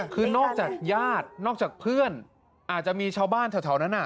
คือนอกจากญาตินอกจากเพื่อนอาจจะมีชาวบ้านแถวนั้น